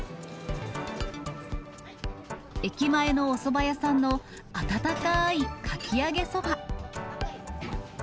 駅前のおそば屋さんの温かいかき揚げそば。